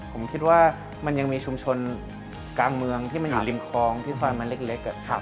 ผมคิดว่ามันยังมีชุมชนกลางเมืองที่มันอยู่ริมคลองที่ซอยมันเล็ก